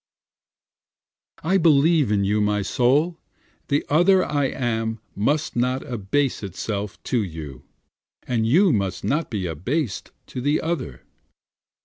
5 I believe in you my soul, the other I am must not abase itself to you, And you must not be abased to the other.